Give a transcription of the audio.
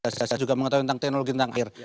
saya juga mengetahui tentang teknologi tentang air